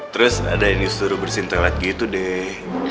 terus ada yang disuruh bersihin toilet gitu deh